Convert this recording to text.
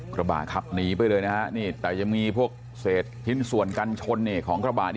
กระบาดขับหนีไปเลยนะครับแต่จะมีพวกเศษถิ่นส่วนกันชนของกระบาด